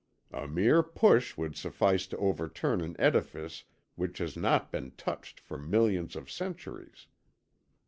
A mere push would suffice to overturn an edifice which has not been touched for millions of centuries.